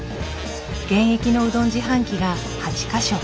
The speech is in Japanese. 現役のうどん自販機が８か所。